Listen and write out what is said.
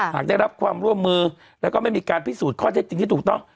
หากได้รับความร่วมมือแล้วก็ไม่มีการพิสูจน์ข้อเท็จจริงที่ถูกต้อง